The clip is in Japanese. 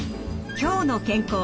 「きょうの健康」